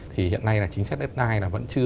thì hiện nay chính sách đất đai